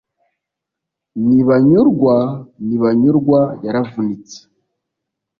nti b a n y u r w a / ntibanyurwa yaravunitse<: